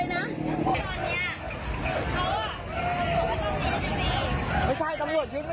ตอนนี้เพราะคำสั่งไปย้ำไป